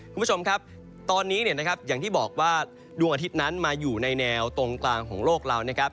คุณผู้ชมครับตอนนี้เนี่ยนะครับอย่างที่บอกว่าดวงอาทิตย์นั้นมาอยู่ในแนวตรงกลางของโลกเรานะครับ